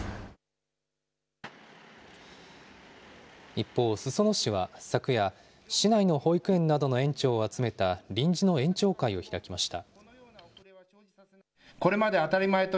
一方、裾野市は昨夜、市内の保育園などの園長を集めた臨時の園長会を開きました。